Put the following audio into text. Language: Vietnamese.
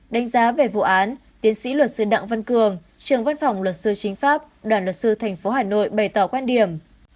đánh giá về vụ án tiến sĩ luật sư đặng văn cường trường văn phòng luật sư chính pháp đoàn luật sư tp hà nội bày tỏ quan điểm